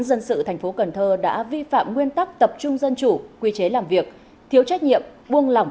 dân sự tp cnh đã vi phạm nguyên tắc tập trung dân chủ quy chế làm việc thiếu trách nhiệm buông lỏng